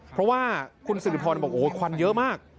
เพราะว่าคุณสิริพรบอกโอ้โหควันเยอะมาก